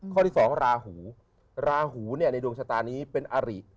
ข้อที่๒ราหูราหูในดวงชะตานี้เป็นอริ